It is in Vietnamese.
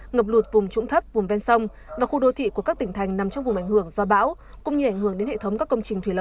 ngập lụt vùng trũng thấp vùng ven sông và khu đô thị của các tỉnh thành nằm trong vùng ảnh hưởng do bão